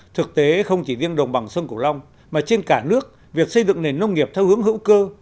thực tế không chỉ riêng đồng bằng sông cửu long mà trên cả nước việc xây dựng nền nông nghiệp theo hướng hữu cơ